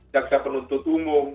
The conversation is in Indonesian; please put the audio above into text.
jaksa penuntut umum